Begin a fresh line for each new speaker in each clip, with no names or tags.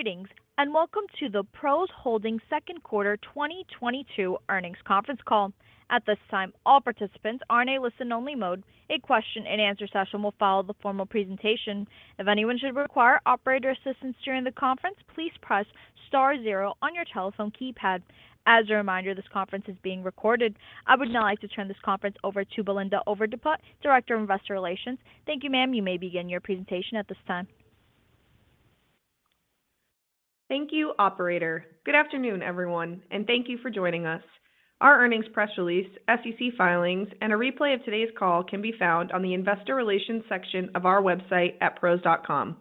Greetings, and welcome to the PROS Holdings Second Quarter 2022 Earnings Conference Call. At this time, all participants are in a listen-only mode. A question-and-answer session will follow the formal presentation. If anyone should require operator assistance during the conference, please press star zero on your telephone keypad. As a reminder, this conference is being recorded. I would now like to turn this conference over to Belinda Overdeput, Director of Investor Relations. Thank you, ma'am. You may begin your presentation at this time.
Thank you, operator. Good afternoon, everyone, and thank you for joining us. Our earnings press release, SEC filings and a replay of today's call can be found on the investor relations section of our website at pros.com.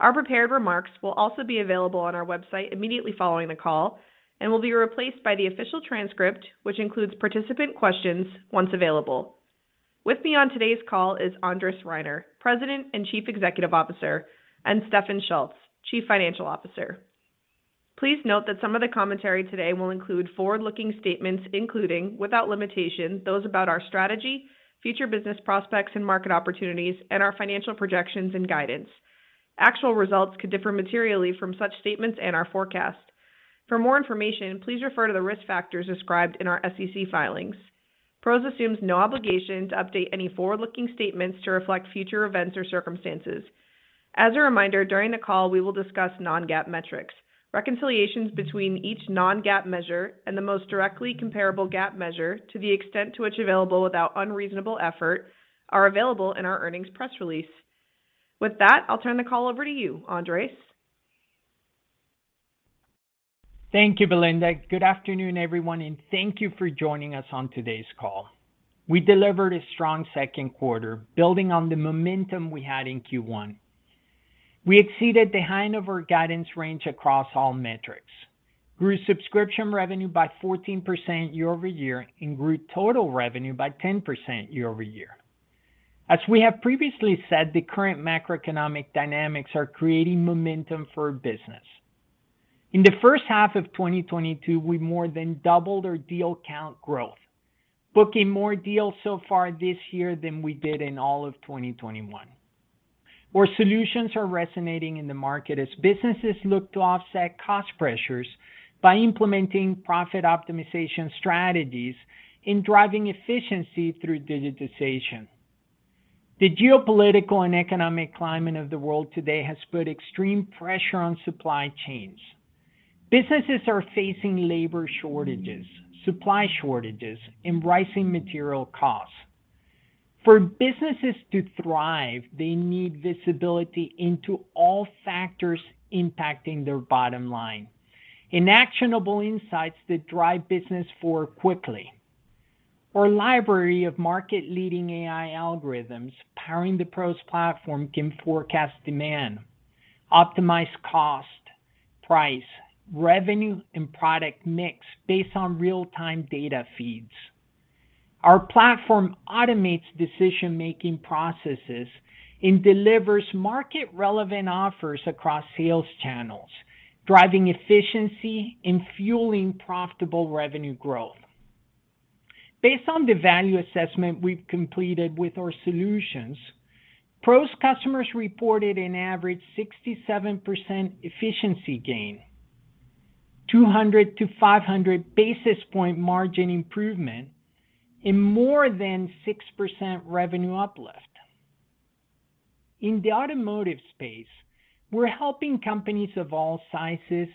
Our prepared remarks will also be available on our website immediately following the call and will be replaced by the official transcript, which includes participant questions, once available. With me on today's call is Andres Reiner, President and Chief Executive Officer, and Stefan Schulz, Chief Financial Officer. Please note that some of the commentary today will include forward-looking statements, including, without limitation, those about our strategy, future business prospects and market opportunities, and our financial projections and guidance. Actual results could differ materially from such statements and our forecast. For more information, please refer to the risk factors described in our SEC filings. PROS assumes no obligation to update any forward-looking statements to reflect future events or circumstances. As a reminder, during the call, we will discuss non-GAAP metrics. Reconciliations between each non-GAAP measure and the most directly comparable GAAP measure, to the extent to which available without unreasonable effort, are available in our earnings press release. With that, I'll turn the call over to you, Andres.
Thank you, Belinda. Good afternoon, everyone, and thank you for joining us on today's call. We delivered a strong second quarter, building on the momentum we had in Q1. We exceeded the high end of our guidance range across all metrics, grew subscription revenue by 14% year-over-year, and grew total revenue by 10% year-over-year. As we have previously said, the current macroeconomic dynamics are creating momentum for our business. In the first half of 2022, we more than doubled our deal count growth, booking more deals so far this year than we did in all of 2021. Our solutions are resonating in the market as businesses look to offset cost pressures by implementing profit optimization strategies and driving efficiency through digitization. The geopolitical and economic climate of the world today has put extreme pressure on supply chains. Businesses are facing labor shortages, supply shortages, and rising material costs. For businesses to thrive, they need visibility into all factors impacting their bottom line and actionable insights that drive business forward quickly. Our library of market-leading AI algorithms powering the PROS platform can forecast demand, optimize cost, price, revenue, and product mix based on real-time data feeds. Our platform automates decision-making processes and delivers market-relevant offers across sales channels, driving efficiency and fueling profitable revenue growth. Based on the value assessment we've completed with our solutions, PROS customers reported an average 67% efficiency gain, 200 basis point to 500 basis point margin improvement, and more than 6% revenue uplift. In the automotive space, we're helping companies of all sizes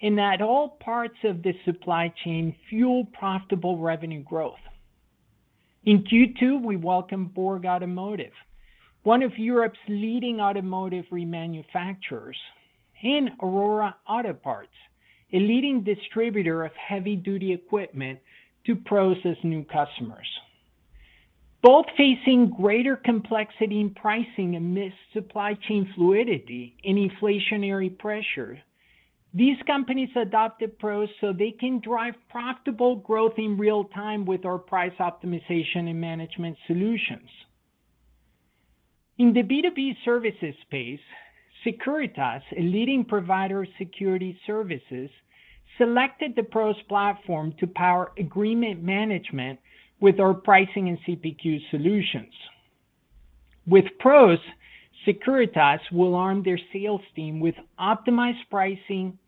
and at all parts of the supply chain fuel profitable revenue growth. In Q2, we welcomed BORG Automotive, one of Europe's leading automotive remanufacturers, and Aurora Parts, a leading distributor of heavy-duty equipment, to PROS as new customers. Both facing greater complexity in pricing amidst supply chain fluidity and inflationary pressure, these companies adopted PROS so they can drive profitable growth in real time with our price optimization and management solutions. In the B2B services space, Securitas, a leading provider of security services, selected the PROS Platform to power agreement management with our pricing and CPQ solutions. With PROS, Securitas will arm their sales team with optimized pricing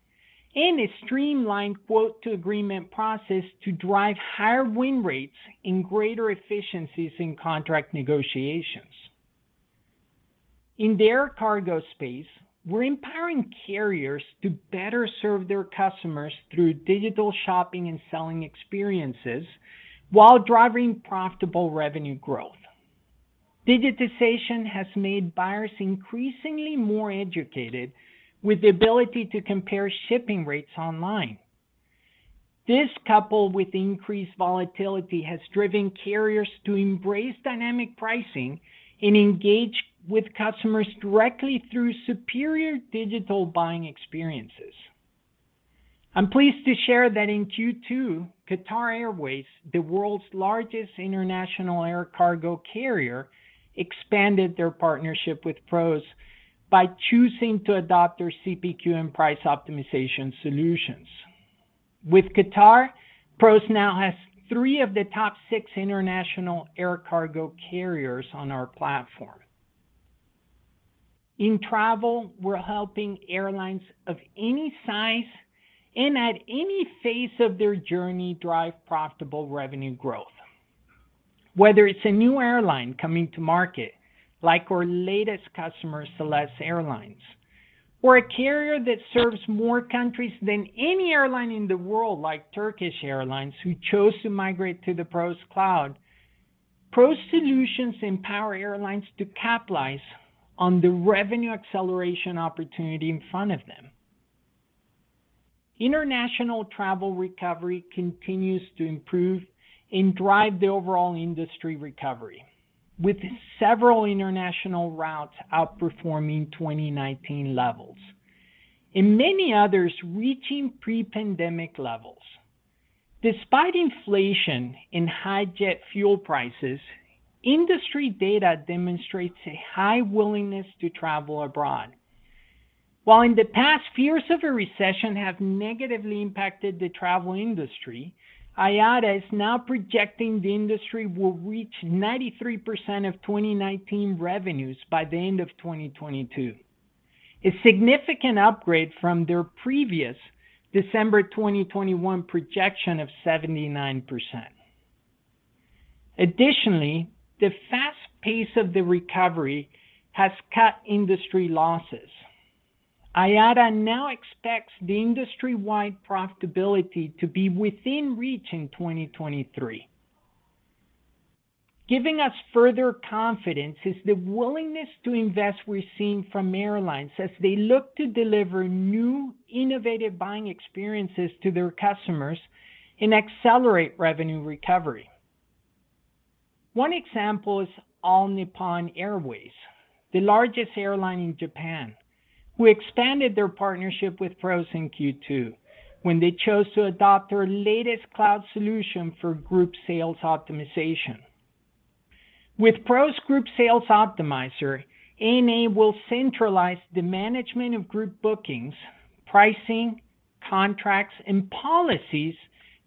and a streamlined quote-to-agreement process to drive higher win rates and greater efficiencies in contract negotiations. In the air cargo space, we're empowering carriers to better serve their customers through digital shopping and selling experiences while driving profitable revenue growth. Digitization has made buyers increasingly more educated with the ability to compare shipping rates online. This, coupled with increased volatility, has driven carriers to embrace dynamic pricing and engage with customers directly through superior digital buying experiences. I'm pleased to share that in Q2, Qatar Airways, the world's largest international air cargo carrier, expanded their partnership with PROS by choosing to adopt our CPQ and price optimization solutions. With Qatar, PROS now has three of the top six international air cargo carriers on our platform. In travel, we're helping airlines of any size and at any phase of their journey drive profitable revenue growth. Whether it's a new airline coming to market, like our latest customer, Céleste Airlines, or a carrier that serves more countries than any airline in the world, like Turkish Airlines, who chose to migrate to the PROS cloud, PROS solutions empower airlines to capitalize on the revenue acceleration opportunity in front of them. International travel recovery continues to improve and drive the overall industry recovery, with several international routes outperforming 2019 levels, and many others reaching pre-pandemic levels. Despite inflation and high jet fuel prices, industry data demonstrates a high willingness to travel abroad. While in the past, fears of a recession have negatively impacted the travel industry, IATA is now projecting the industry will reach 93% of 2019 revenues by the end of 2022, a significant upgrade from their previous December 2021 projection of 79%. Additionally, the fast pace of the recovery has cut industry losses. IATA now expects the industry-wide profitability to be within reach in 2023. Giving us further confidence is the willingness to invest we're seeing from airlines as they look to deliver new innovative buying experiences to their customers and accelerate revenue recovery. One example is All Nippon Airways, the largest airline in Japan, who expanded their partnership with PROS in Q2 when they chose to adopt our latest cloud solution for group sales optimization. With PROS Group Sales Optimizer, ANA will centralize the management of group bookings, pricing, contracts, and policies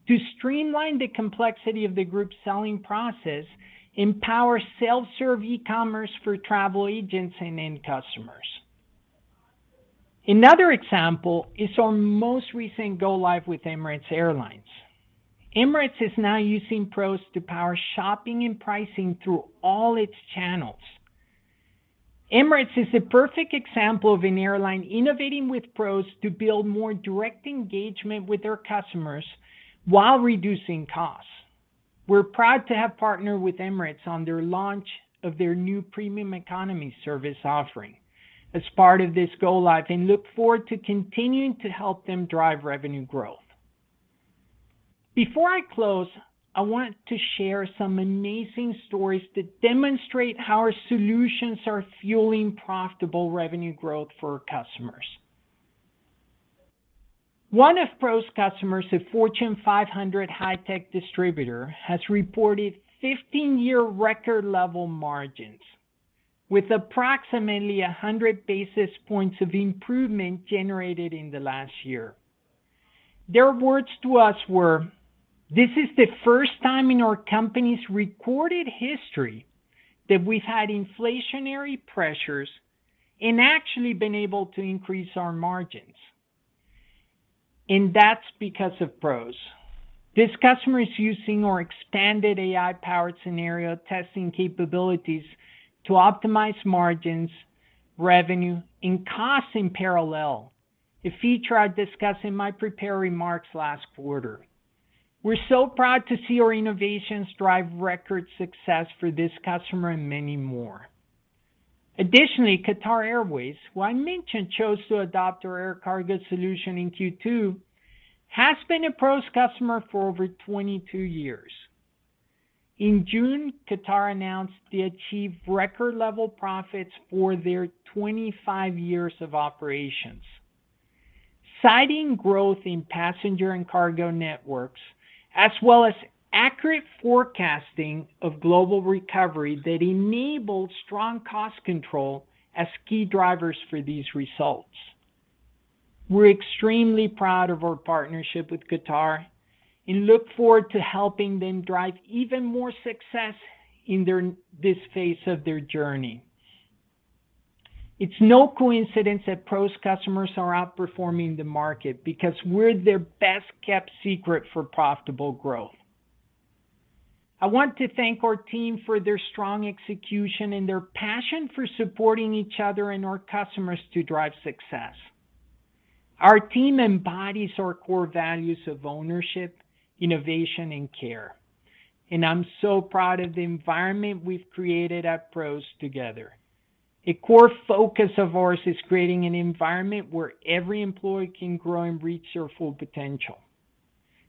to streamline the complexity of the group selling process, empower self-serve e-commerce for travel agents and end customers. Another example is our most recent go live with Emirates. Emirates is now using PROS to power shopping and pricing through all its channels. Emirates is a perfect example of an airline innovating with PROS to build more direct engagement with their customers while reducing costs. We're proud to have partnered with Emirates on their launch of their new premium economy service offering as part of this go live, and look forward to continuing to help them drive revenue growth. Before I close, I want to share some amazing stories that demonstrate how our solutions are fueling profitable revenue growth for our customers. One of PROS' customers, a Fortune 500 high-tech distributor, has reported 15-year record-level margins with approximately 100 basis points of improvement generated in the last year. Their words to us were, "This is the first time in our company's recorded history that we've had inflationary pressures and actually been able to increase our margins, and that's because of PROS." This customer is using our expanded AI-powered scenario testing capabilities to optimize margins, revenue, and costs in parallel, a feature I discussed in my prepared remarks last quarter. We're so proud to see our innovations drive record success for this customer and many more. Additionally, Qatar Airways, who I mentioned chose to adopt our air cargo solution in Q2, has been a PROS customer for over 22 years. In June, Qatar announced they achieved record-level profits for their 25 years of operations, citing growth in passenger and cargo networks, as well as accurate forecasting of global recovery that enabled strong cost control as key drivers for these results. We're extremely proud of our partnership with Qatar and look forward to helping them drive even more success in their, this phase of their journey. It's no coincidence that PROS customers are outperforming the market, because we're their best-kept secret for profitable growth. I want to thank our team for their strong execution and their passion for supporting each other and our customers to drive success. Our team embodies our core values of ownership, innovation, and care, and I'm so proud of the environment we've created at PROS together. A core focus of ours is creating an environment where every employee can grow and reach their full potential.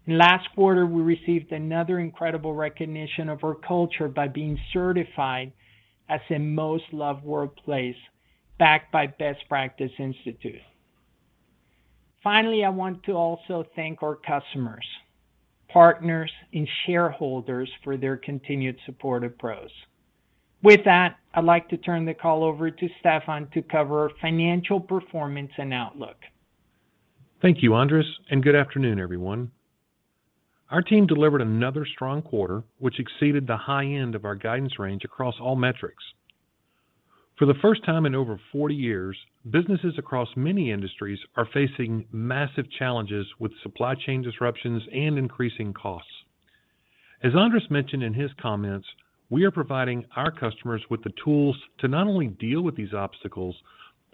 Last quarter, we received another incredible recognition of our culture by being certified as a Most Loved Workplace, backed by Best Practice Institute. Finally, I want to also thank our customers. Partners and shareholders for their continued support of PROS. With that, I'd like to turn the call over to Stefan to cover financial performance and outlook.
Thank you, Andres, and good afternoon, everyone. Our team delivered another strong quarter, which exceeded the high end of our guidance range across all metrics. For the first time in over 40 years, businesses across many industries are facing massive challenges with supply chain disruptions and increasing costs. As Andres mentioned in his comments, we are providing our customers with the tools to not only deal with these obstacles,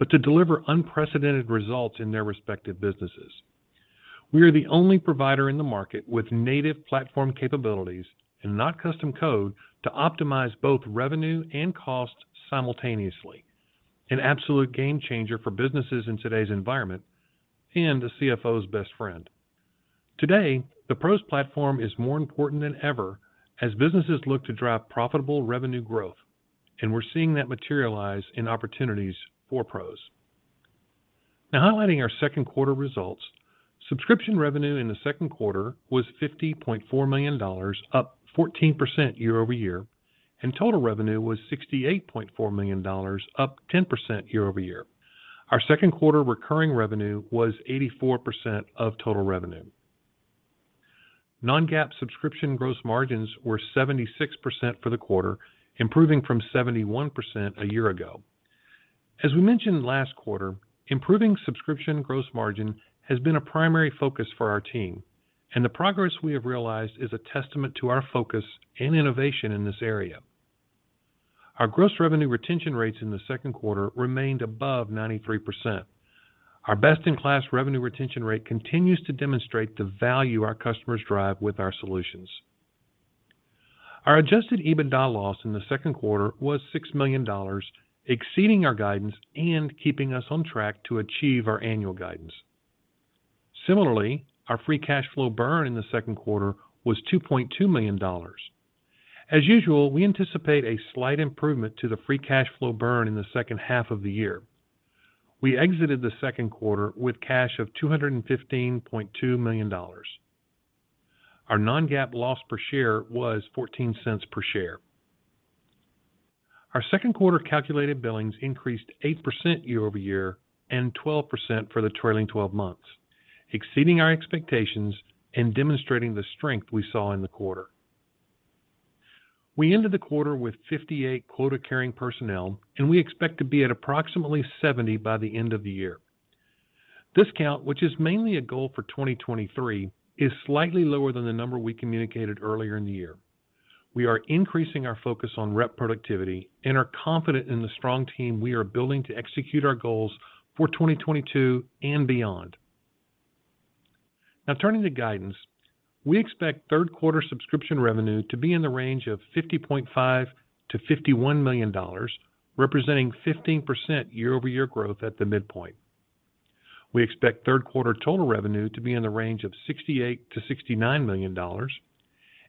but to deliver unprecedented results in their respective businesses. We are the only provider in the market with native platform capabilities, and not custom code, to optimize both revenue and cost simultaneously. An absolute game changer for businesses in today's environment and the CFO's best friend. Today, the PROS platform is more important than ever as businesses look to drive profitable revenue growth, and we're seeing that materialize in opportunities for PROS. Highlighting our second quarter results, subscription revenue in the second quarter was $50.4 million, up 14% year-over-year, and total revenue was $68.4 million, up 10% year-over-year. Our second quarter recurring revenue was 84% of total revenue. non-GAAP subscription gross margins were 76% for the quarter, improving from 71% a year ago. Improving subscription gross margin has been a primary focus for our team, and the progress we have realized is a testament to our focus and innovation in this area. Our gross revenue retention rates in the second quarter remained above 93%. Our best-in-class revenue retention rate continues to demonstrate the value our customers drive with our solutions. Our Adjusted EBITDA loss in the second quarter was $6 million, exceeding our guidance and keeping us on track to achieve our annual guidance. Similarly, our free cash flow burn in the second quarter was $2.2 million. As usual, we anticipate a slight improvement to the free cash flow burn in the second half of the year. We exited the second quarter with cash of $215.2 million. Our non-GAAP loss per share was $0.14 per share. Our second quarter calculated billings increased 8% year-over-year and 12% for the trailing twelve months, exceeding our expectations and demonstrating the strength we saw in the quarter. We ended the quarter with 58 quota-carrying personnel, and we expect to be at approximately 70 by the end of the year. This count, which is mainly a goal for 2023, is slightly lower than the number we communicated earlier in the year. We are increasing our focus on rep productivity and are confident in the strong team we are building to execute our goals for 2022 and beyond. Now turning to guidance. We expect third quarter subscription revenue to be in the range of $50.5 million to $51 million, representing 15% year-over-year growth at the midpoint. We expect third quarter total revenue to be in the range of $68 million to $69 million,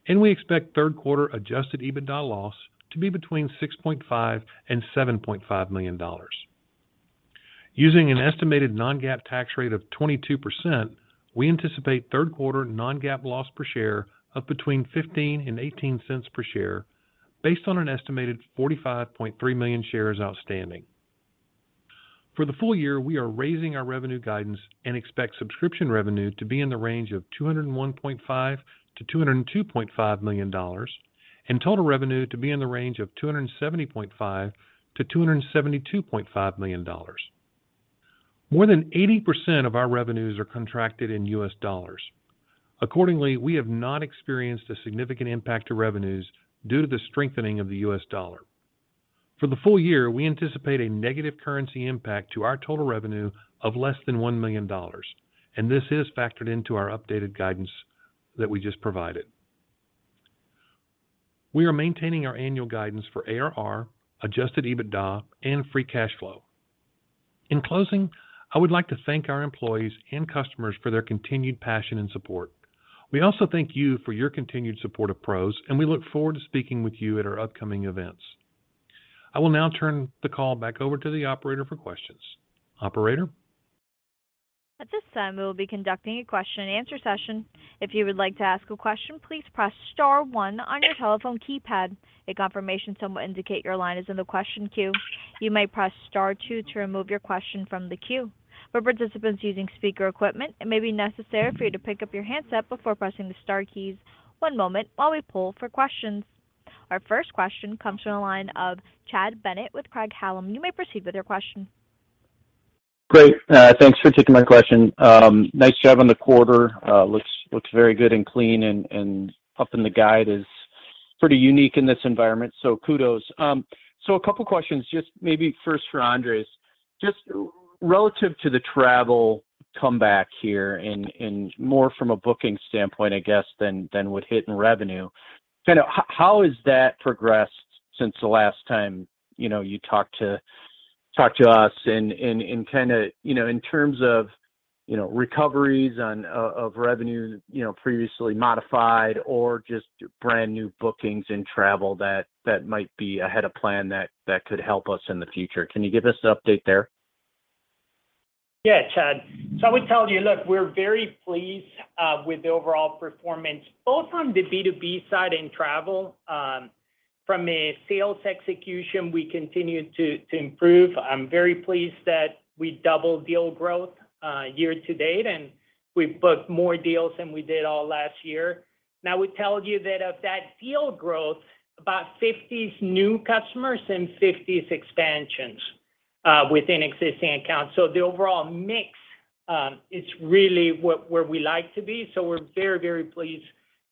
and we expect third quarter Adjusted EBITDA loss to be between $6.5 million and $7.5 million. Using an estimated non-GAAP tax rate of 22%, we anticipate third quarter non-GAAP loss per share of between $0.15 and $0.18 per share based on an estimated 45.3 million shares outstanding. For the full year, we are raising our revenue guidance and expect subscription revenue to be in the range of $201.5 million to $202.5 million, and total revenue to be in the range of $270.5 million to $272.5 million. More than 80% of our revenues are contracted in U.S. dollars. Accordingly, we have not experienced a significant impact to revenues due to the strengthening of the U.S. dollar. For the full year, we anticipate a negative currency impact to our total revenue of less than $1 million, and this is factored into our updated guidance that we just provided. We are maintaining our annual guidance for ARR, Adjusted EBITDA, and free cash flow. In closing, I would like to thank our employees and customers for their continued passion and support. We also thank you for your continued support of PROS, and we look forward to speaking with you at our upcoming events. I will now turn the call back over to the operator for questions. Operator?
At this time, we will be conducting a question and answer session. If you would like to ask a question, please press star one on your telephone keypad. A confirmation tone will indicate your line is in the question queue. You may press star two to remove your question from the queue. For participants using speaker equipment, it may be necessary for you to pick up your handset before pressing the star keys. One moment while we poll for questions. Our first question comes from the line of Chad Bennett with Craig-Hallum Capital Group. You may proceed with your question.
Great. Thanks for taking my question. Nice job on the quarter. Looks very good and clean and upping the guide is pretty unique in this environment, so kudos. So a couple questions just maybe first for Andres. Just relative to the travel comeback here and more from a booking standpoint, I guess, than what hit in revenue, kinda how has that progressed since the last time, you know, you talked to us in kinda, you know, in terms of, you know, recoveries of revenue, you know, previously modified or just brand-new bookings in travel that might be ahead of plan that could help us in the future. Can you give us an update there?
Yeah, Chad. I would tell you, look, we're very pleased with the overall performance, both on the B2B side and travel. From a sales execution, we continue to improve. I'm very pleased that we doubled deal growth year to date, and we've booked more deals than we did all last year. Now we tell you that of that deal growth, about 50 is new customers and 50 is expansions within existing accounts. The overall mix is really where we like to be. We're very, very pleased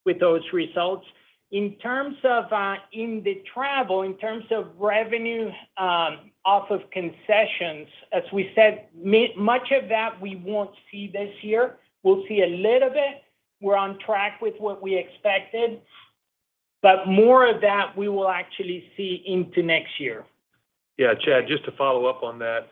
with those results. In terms of in the travel, in terms of revenue off of concessions, as we said, much of that we won't see this year. We'll see a little bit. We're on track with what we expected. More of that we will actually see into next year.
Yeah, Chad, just to follow up on that.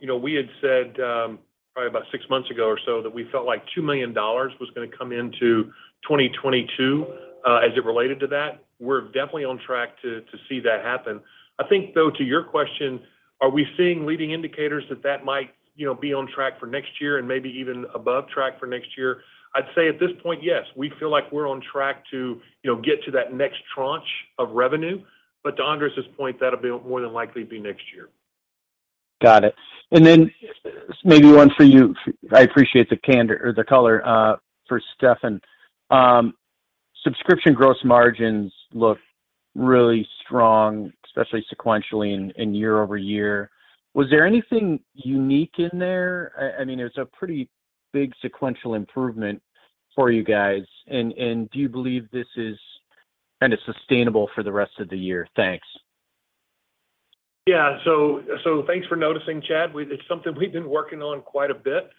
You know, we had said, probably about six months ago or so that we felt like $2 million was gonna come into 2022, as it related to that. We're definitely on track to see that happen. I think though, to your question, are we seeing leading indicators that that might, you know, be on track for next year and maybe even above track for next year? I'd say at this point, yes, we feel like we're on track to, you know, get to that next tranche of revenue. To Andres' point, that'll be more than likely next year.
Got it. Then maybe one for you. I appreciate the candor or the color for Stefan. Subscription gross margins look really strong, especially sequentially and year over year. Was there anything unique in there? I mean, it was a pretty big sequential improvement for you guys. Do you believe this is kind of sustainable for the rest of the year? Thanks.
Thanks for noticing, Chad. It's something we've been working on quite a bit.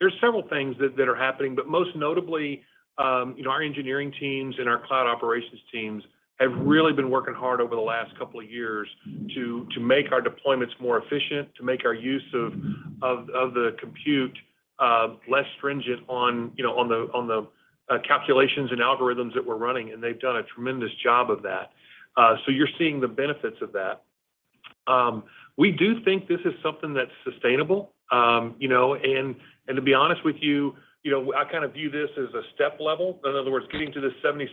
There's several things that are happening, but most notably, you know, our engineering teams and our cloud operations teams have really been working hard over the last couple of years to make our deployments more efficient, to make our use of the compute less stringent on, you know, on the calculations and algorithms that we're running, and they've done a tremendous job of that. You're seeing the benefits of that. We do think this is something that's sustainable. You know, and to be honest with you know, I kind of view this as a step level. In other words, getting to this 76%,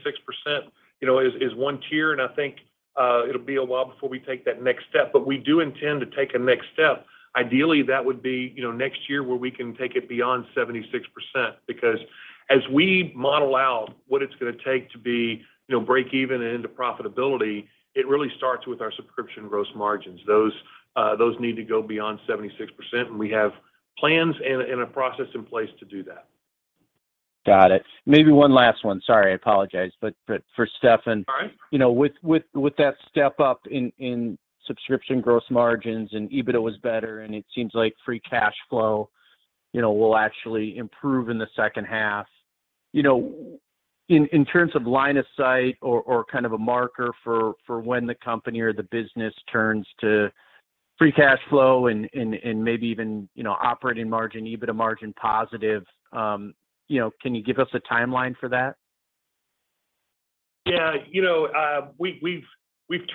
you know, is one tier, and I think it'll be a while before we take that next step. We do intend to take a next step. Ideally, that would be, you know, next year where we can take it beyond 76%, because as we model out what it's gonna take to be, you know, break even and into profitability, it really starts with our subscription gross margins. Those need to go beyond 76%, and we have plans and a process in place to do that.
Got it. Maybe one last one. Sorry, I apologize. for Stefan.
All right.
You know, with that step up in subscription gross margins and EBITDA was better, and it seems like free cash flow, you know, will actually improve in the second half. You know, in terms of line of sight or kind of a marker for when the company or the business turns to free cash flow and maybe even, you know, operating margin, EBITDA margin positive, you know, can you give us a timeline for that?
Yeah, you know, we've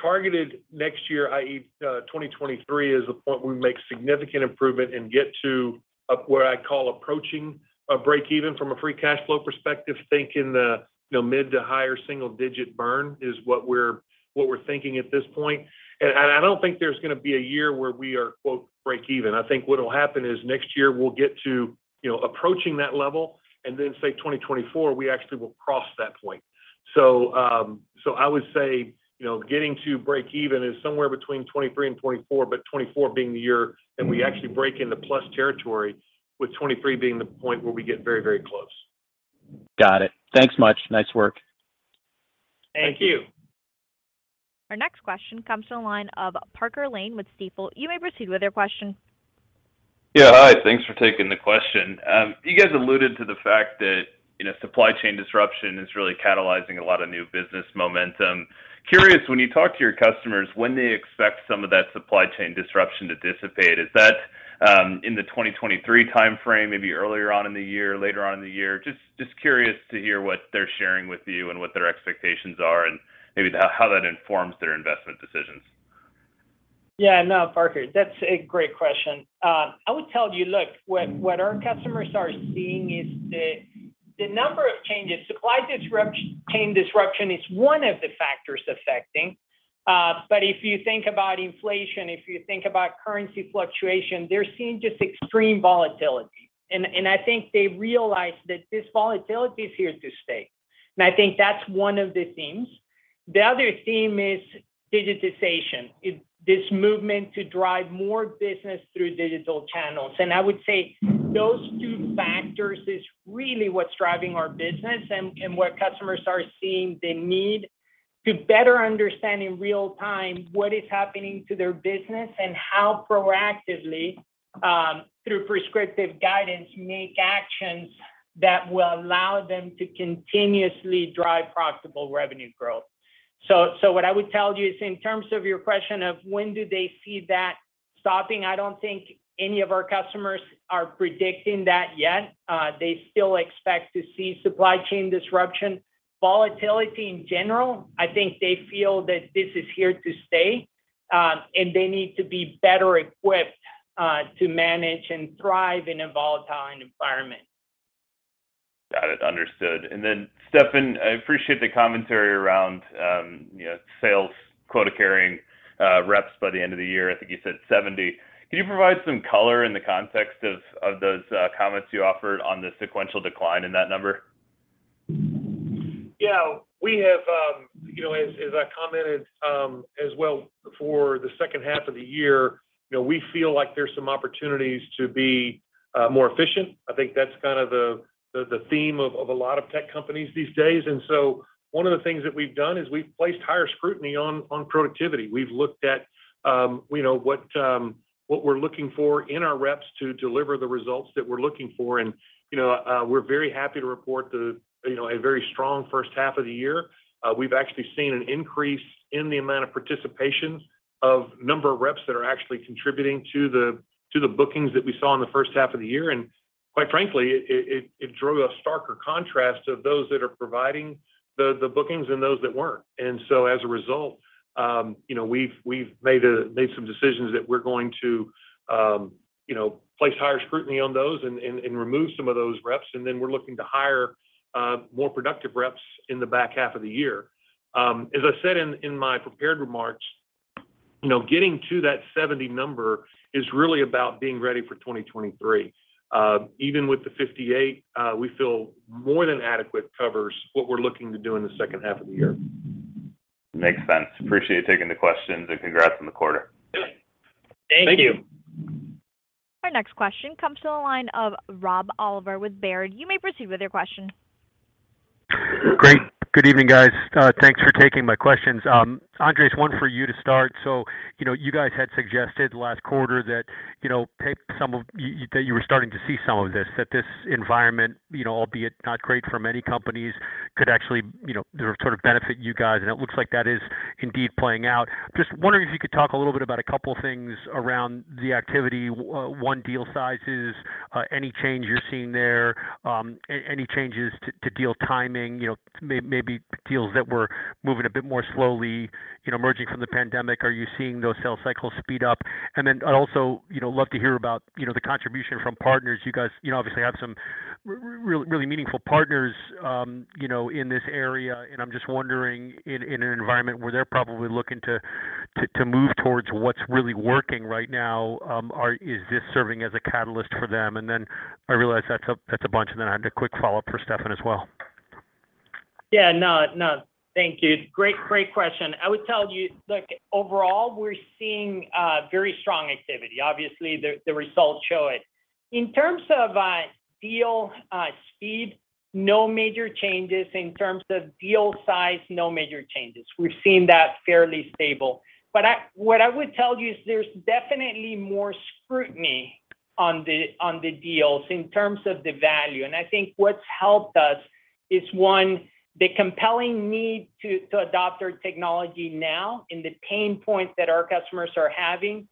targeted next year, i.e., 2023 is the point where we make significant improvement and get to what I call approaching a break even from a free cash flow perspective. Think in the mid- to higher-single-digit burn is what we're thinking at this point. I don't think there's gonna be a year where we are, quote, break even. I think what will happen is next year we'll get to, you know, approaching that level, and then say 2024, we actually will cross that point. I would say, you know, getting to break even is somewhere between 2023 and 2024, but 2024 being the year that we actually break into plus territory, with 2023 being the point where we get very, very close.
Got it. Thanks much. Nice work.
Thank you.
Thank you.
Our next question comes from the line of Parker Lane with Stifel Financial. You may proceed with your question.
Yeah, hi. Thanks for taking the question. You guys alluded to the fact that, you know, supply chain disruption is really catalyzing a lot of new business momentum. Curious, when you talk to your customers, when they expect some of that supply chain disruption to dissipate, is that in the 2023 timeframe, maybe earlier on in the year, later on in the year? Just curious to hear what they're sharing with you and what their expectations are, and maybe how that informs their investment decisions.
Yeah, no, Parker, that's a great question. I would tell you, look, what our customers are seeing is the number of changes. Supply chain disruption is one of the factors affecting. If you think about inflation, if you think about currency fluctuation, they're seeing just extreme volatility. I think they realize that this volatility is here to stay. I think that's one of the themes. The other theme is digitization. This movement to drive more business through digital channels. I would say those two factors is really what's driving our business and what customers are seeing the need to better understand in real time what is happening to their business and how proactively, through prescriptive guidance, make actions that will allow them to continuously drive profitable revenue growth. What I would tell you is in terms of your question of when do they see that stopping, I don't think any of our customers are predicting that yet. They still expect to see supply chain disruption, volatility in general. I think they feel that this is here to stay, and they need to be better equipped to manage and thrive in a volatile environment.
Got it. Understood. Stefan, I appreciate the commentary around, you know, sales quota carrying reps by the end of the year. I think you said 70. Can you provide some color in the context of those comments you offered on the sequential decline in that number?
Yeah. We have, you know, as I commented, as well for the second half of the year, you know, we feel like there's some opportunities to be more efficient. I think that's kind of the theme of a lot of tech companies these days. One of the things that we've done is we've placed higher scrutiny on productivity. We've looked at, you know, what we're looking for in our reps to deliver the results that we're looking for. You know, we're very happy to report, you know, a very strong first half of the year. We've actually seen an increase in the amount of participation of number of reps that are actually contributing to the bookings that we saw in the first half of the year. Quite frankly, it drove a starker contrast of those that are providing the bookings and those that weren't. As a result, you know, we've made some decisions that we're going to, you know, place higher scrutiny on those and remove some of those reps. We're looking to hire more productive reps in the back half of the year. As I said in my prepared remarks, you know, getting to that 70 number is really about being ready for 2023. Even with the 58, we feel more than adequate covers what we're looking to do in the second half of the year.
Makes sense. Appreciate you taking the questions and congrats on the quarter.
Yeah. Thank you.
Thank you.
Our next question comes to the line of Rob Oliver with Baird. You may proceed with your question.
Great. Good evening, guys. Thanks for taking my questions. Andres, one for you to start. You know, you guys had suggested last quarter that, you know, that you were starting to see some of this, that this environment, you know, albeit not great for many companies could actually, you know, sort of benefit you guys, and it looks like that is indeed playing out. Just wondering if you could talk a little bit about a couple things around the activity, one, deal sizes, any change you're seeing there, any changes to deal timing, you know, maybe deals that were moving a bit more slowly, you know, emerging from the pandemic. Are you seeing those sales cycles speed up? I'd also, you know, love to hear about, you know, the contribution from partners. You guys, you know, obviously have some really meaningful partners, you know, in this area. I'm just wondering in an environment where they're probably looking to move towards what's really working right now, is this serving as a catalyst for them? I realize that's a bunch. I had a quick follow-up for Stefan as well.
Yeah. No, no. Thank you. Great question. I would tell you, look, overall, we're seeing very strong activity. Obviously, the results show it. In terms of deal speed, no major changes. In terms of deal size, no major changes. We've seen that fairly stable. What I would tell you is there's definitely more scrutiny on the deals in terms of the value. I think what's helped us is one, the compelling need to adopt our technology now and the pain points that our customers are having,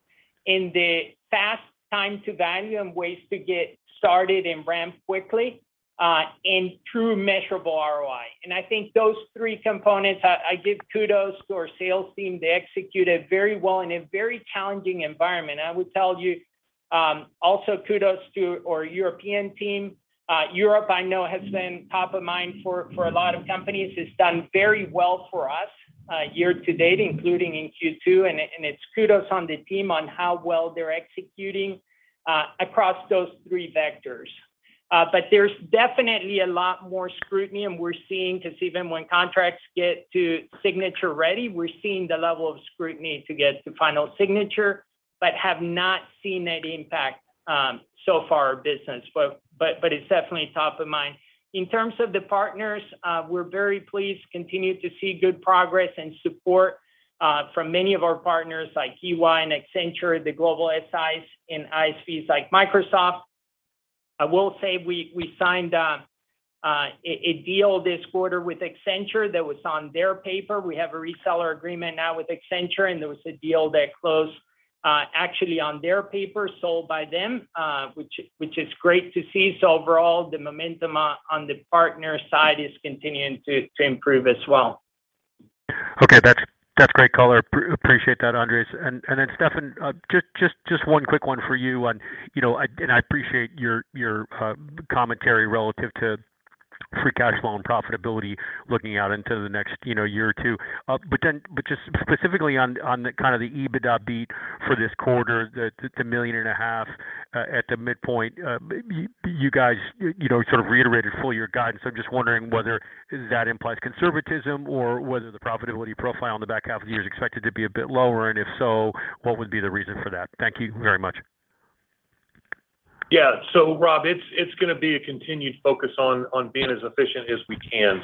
and the fast time to value and ways to get started and ramp quickly, and true measurable ROI. I think those three components, I give kudos to our sales team. They executed very well in a very challenging environment. I would tell you, also kudos to our European team. Europe, I know has been top of mind for a lot of companies. It's done very well for us year to date, including in Q2. It's kudos to the team on how well they're executing across those three vectors. There's definitely a lot more scrutiny, and we're seeing 'cause even when contracts get to signature ready, we're seeing the level of scrutiny to get to final signature, but have not seen that impact so far on our business. It's definitely top of mind. In terms of the partners, we're very pleased to continue to see good progress and support from many of our partners like EY and Accenture, the global SIs and ISVs like Microsoft. I will say we signed a deal this quarter with Accenture that was on their paper. We have a reseller agreement now with Accenture, and there was a deal that closed, actually on their paper, sold by them, which is great to see. Overall, the momentum on the partner side is continuing to improve as well.
Okay. That's great color. Appreciate that, Andres. Then Stefan, just one quick one for you on, you know. I appreciate your commentary relative to free cash flow and profitability looking out into the next, you know, year or two. Just specifically on the kind of the EBITDA beat for this quarter, the $1.5 million at the midpoint, you guys, you know, sort of reiterated full year guidance. I'm just wondering whether that implies conservatism or whether the profitability profile on the back half of the year is expected to be a bit lower, and if so, what would be the reason for that? Thank you very much.
Yeah, Rob, it's gonna be a continued focus on being as efficient as we can.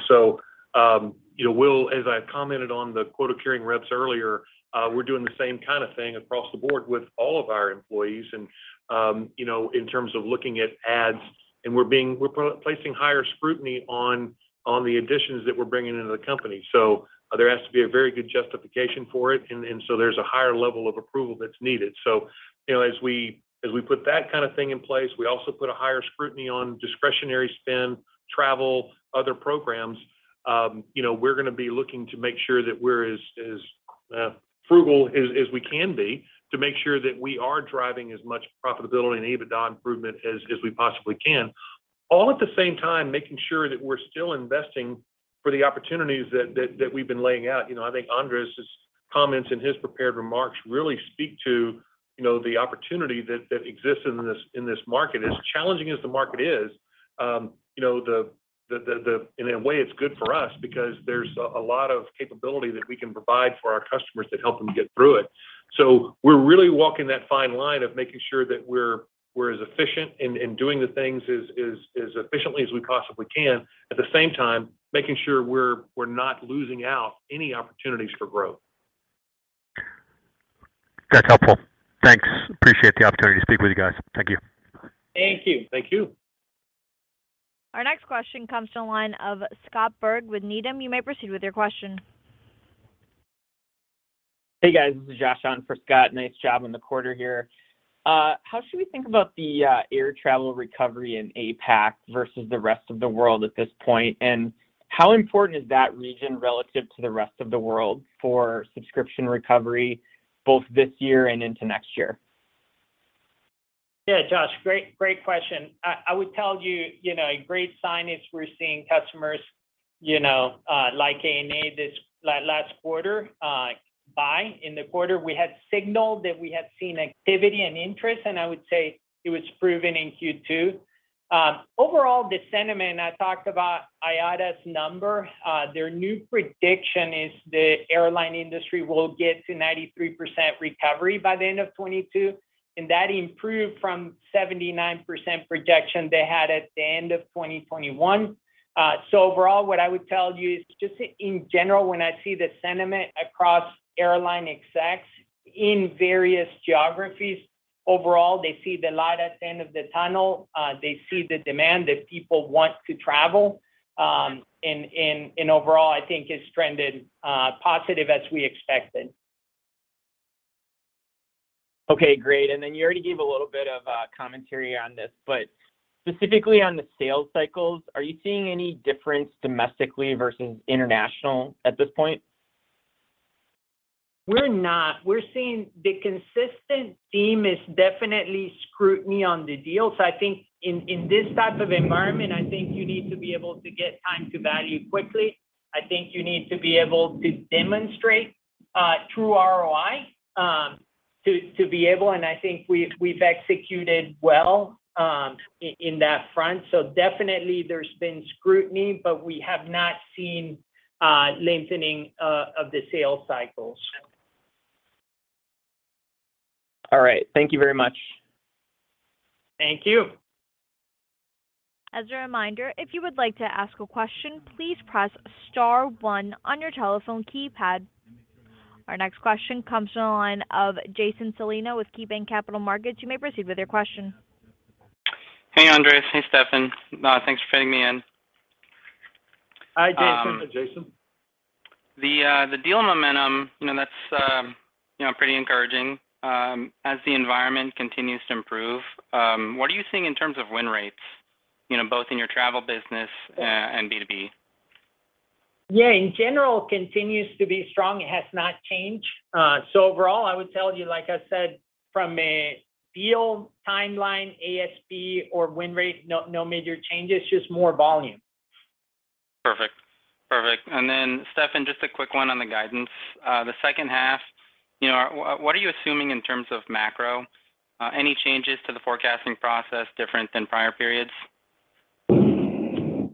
You know, as I commented on the quota carrying reps earlier, we're doing the same kind of thing across the board with all of our employees and, you know, in terms of looking at adds, and we're placing higher scrutiny on the additions that we're bringing into the company. There has to be a very good justification for it. There's a higher level of approval that's needed. You know, as we put that kind of thing in place, we also put higher scrutiny on discretionary spend, travel, other programs. You know, we're gonna be looking to make sure that we're as frugal as we can be to make sure that we are driving as much profitability and EBITDA improvement as we possibly can. All at the same time, making sure that we're still investing for the opportunities that we've been laying out. You know, I think Andres' comments in his prepared remarks really speak to the opportunity that exists in this market. As challenging as the market is, in a way it's good for us because there's a lot of capability that we can provide for our customers to help them get through it. We're really walking that fine line of making sure that we're as efficient and doing the things as efficiently as we possibly can. At the same time, making sure we're not losing out on any opportunities for growth.
That's helpful. Thanks. Appreciate the opportunity to speak with you guys. Thank you.
Thank you.
Thank you.
Our next question comes to the line of Scott Berg with Needham & Company. You may proceed with your question.
Hey, guys. This is Josh on for Scott. Nice job on the quarter here. How should we think about the air travel recovery in APAC versus the rest of the world at this point? How important is that region relative to the rest of the world for subscription recovery, both this year and into next year?
Yeah. Josh, great question. I would tell you know, a great sign is we're seeing customers, you know, like ANA this last quarter, buy in the quarter. We had signaled that we had seen activity and interest, and I would say it was proven in Q2. Overall, the sentiment I talked about, IATA's number, their new prediction is the airline industry will get to 93% recovery by the end of 2022, and that improved from 79% projection they had at the end of 2021. Overall, what I would tell you is just in general, when I see the sentiment across airline execs in various geographies, overall, they see the light at the end of the tunnel. They see the demand that people want to travel. Overall, I think it's trended positive as we expected.
Okay, great. You already gave a little bit of commentary on this, but specifically on the sales cycles, are you seeing any difference domestically versus international at this point?
We're not. We're seeing the consistent theme is definitely scrutiny on the deals. I think in this type of environment, I think you need to be able to get time to value quickly. I think you need to be able to demonstrate true ROI to be able, and I think we've executed well in that front. Definitely there's been scrutiny, but we have not seen lengthening of the sales cycles.
All right. Thank you very much.
Thank you.
As a reminder, if you would like to ask a question, please press star one on your telephone keypad. Our next question comes from the line of Jason Celino with KeyBanc Capital Markets. You may proceed with your question.
Hey, Andres. Hey, Stefan. Thanks for fitting me in.
Hi, Jason.
Hi, Jason.
The deal momentum, you know, that's, you know, pretty encouraging. As the environment continues to improve, what are you seeing in terms of win rates, you know, both in your travel business, and B2B?
Yeah, in general, continues to be strong. It has not changed. Overall, I would tell you, like I said, from a deal timeline, ASP or win rate, no major changes, just more volume.
Perfect. Stefan, just a quick one on the guidance. The second half, you know, what are you assuming in terms of macro? Any changes to the forecasting process different than prior periods?
I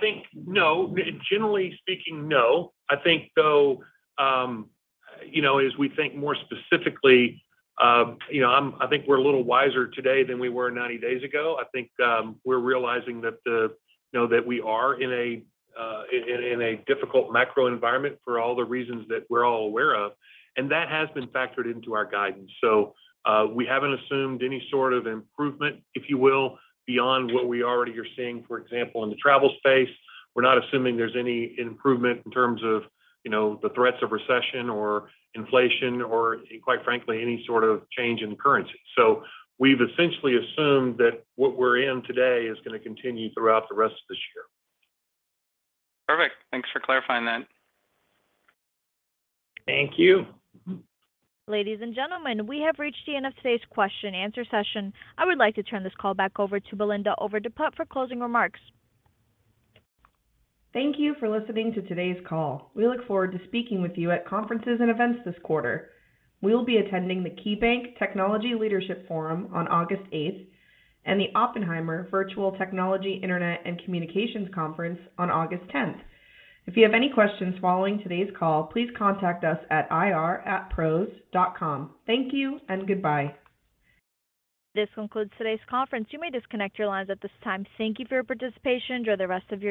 think no. Generally speaking, no. I think though, you know, as we think more specifically, you know, I think we're a little wiser today than we were 90 days ago. I think we're realizing that the, you know, that we are in a difficult macro environment for all the reasons that we're all aware of, and that has been factored into our guidance. We haven't assumed any sort of improvement, if you will, beyond what we already are seeing, for example, in the travel space. We're not assuming there's any improvement in terms of, you know, the threats of recession or inflation or quite frankly, any sort of change in currency. We've essentially assumed that what we're in today is gonna continue throughout the rest of this year.
Perfect. Thanks for clarifying that.
Thank you.
Ladies and gentlemen, we have reached the end of today's question and answer session. I would like to turn this call back over to Belinda Overdeput for closing remarks.
Thank you for listening to today's call. We look forward to speaking with you at conferences and events this quarter. We'll be attending the KeyBanc Technology Leadership Forum on August 8th, and the Oppenheimer Virtual Technology Internet and Communications Conference on August 10th. If you have any questions following today's call, please contact us at ir@pros.com. Thank you and goodbye.
This concludes today's conference. You may disconnect your lines at this time. Thank you for your participation. Enjoy the rest of your day.